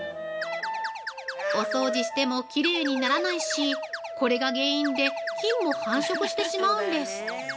お掃除してもきれいにならないしこれが原因で菌も繁殖してしまうんです。